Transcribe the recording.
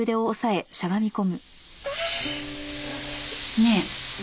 ねえ。